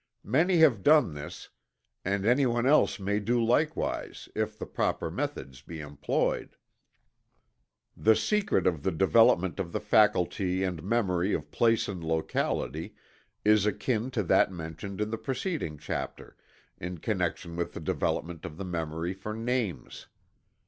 Many have done this, and anyone else may do likewise if the proper methods be employed. The secret of the development of the faculty and memory of place and locality is akin to that mentioned in the preceding chapter, in connection with the development of the memory for names.